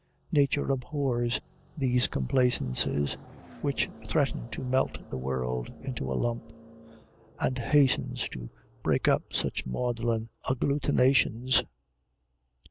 Nature abhors these complaisances, which threaten to melt the world into a lump, and hastens to break up such maudlin agglutinations.